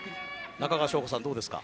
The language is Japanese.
中川翔子さん、どうですか？